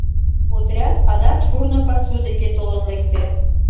Отряд адак шурно пасу деке толын лекте.